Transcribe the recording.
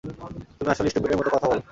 তুমি আসলেই স্টুপিডের মতো কথা বলো।